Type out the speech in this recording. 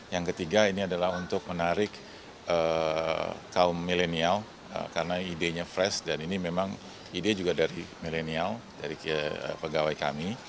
yang ketiga ini adalah untuk menarik kaum milenial karena idenya fresh dan ini memang ide juga dari milenial dari pegawai kami